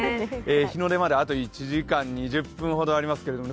日の出まであと１時間２０分ほどありますけれども。